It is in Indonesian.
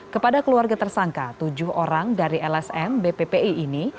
kepada keluarga tersangka tujuh orang dari lsm bppi ini